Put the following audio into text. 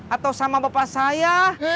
atau sama bapak saya